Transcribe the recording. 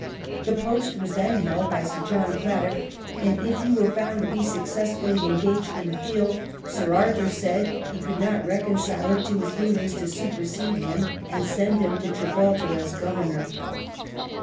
The post was then held by Sir John Cradock; and if he were found to be successfully engaged in the field, Sir Arthur said he could not reconcile it to his feelings to supersede him and send him to Gibraltar as Governor.